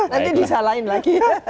nanti disalahin lagi